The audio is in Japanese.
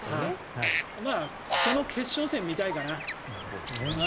その決勝戦を見たいかな。